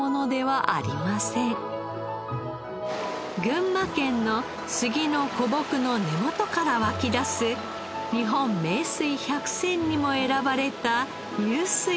群馬県の杉の古木の根元から湧き出す日本名水百選にも選ばれた湧水で育つサーモン。